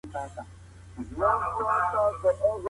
پانګه د ټکنالوژۍ د نشتوالي له امله ټيټه ګټه ورکوي.